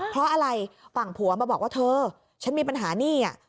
เพราะอะไรฝั่งผัวมาบอกว่าเธอฉันมีปัญหาหนี้